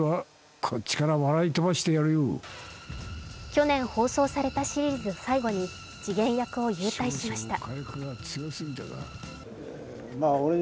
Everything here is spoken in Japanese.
去年放送されたシリーズを最後に次元役を勇退しました。